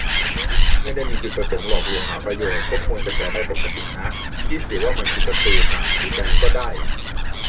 ไม่ได้มีจุดประสงค์หลอกลวงหาประโยชน์ ก็ควรจะแชร์ได้ปกตินะ คิดเสียว่ามันคือการ์ตูนอะ หรือแบงค์ก็ได้